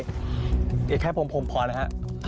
อยากแค่พมพมพอนะครับ